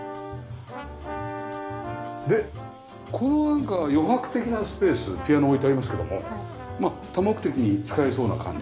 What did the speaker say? でこのなんか余白的なスペースピアノが置いてありますけども多目的に使えそうな感じ。